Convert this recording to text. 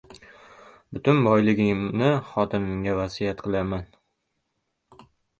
Butun boyligimni xotinimga vasiyat qilaman.